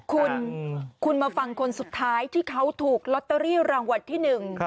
คุณคุณมาฟังคนสุดท้ายที่เขาถูกลอตเตอรี่รางวัลที่หนึ่ง